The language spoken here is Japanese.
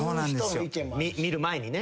見る前にね。